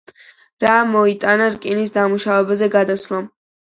რა მოიტანა რკინის დამუშავებაზე გადასვლამ?